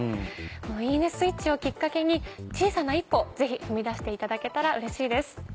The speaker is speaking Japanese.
「いいねスイッチ」をきっかけに小さな一歩ぜひ踏み出していただけたらうれしいです。